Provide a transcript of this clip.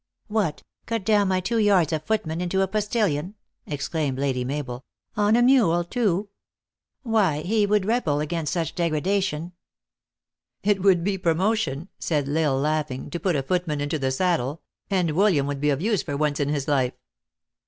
" What ! cut down my two yards of footman into a postillion ?" exclaimed Lady Mabel ;" on a mule, too! Why, he would rebel against such degradation !"" It would be promotion," said L Isle, laughing, " to THE ACTKESS IN HIGH LIFE. 365 put a footman into the saddle ; and William would be of use for once in his life."